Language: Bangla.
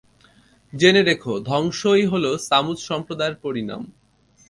জেনে রেখ, ধ্বংসই হল ছামূদ সম্প্রদায়ের পরিণাম।